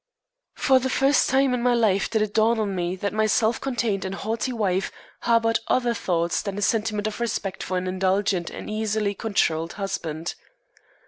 For the first time in my life did it dawn on me that my self contained and haughty wife harbored other thoughts than a sentiment of respect for an indulgent and easily controlled husband.